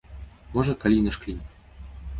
Можа, калі й нашклім.